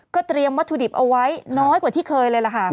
เตรียมวัตถุดิบเอาไว้น้อยกว่าที่เคยเลยล่ะค่ะ